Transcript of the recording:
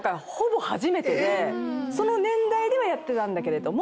その年代ではやってたんだけれども。